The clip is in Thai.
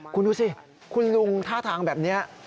คุณดูสิคุณลุงท่าทางแบบนี้